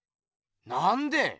なんで？